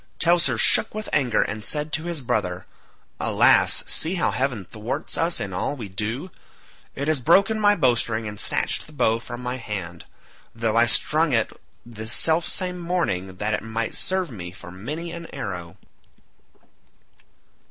Teucer shook with anger and said to his brother, "Alas, see how heaven thwarts us in all we do; it has broken my bowstring and snatched the bow from my hand, though I strung it this self same morning that it might serve me for many an arrow."